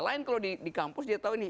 lain kalau di kampus dia tahu nih